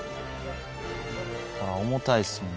ああ重たいっすもんね。